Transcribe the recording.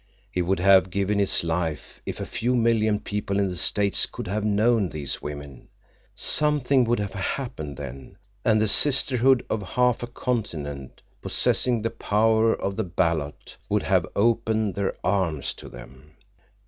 He would have given his life if a few million people in the States could have known these women. Something would have happened then, and the sisterhood of half a continent—possessing the power of the ballot—would have opened their arms to them.